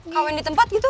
kawin di tempat gitu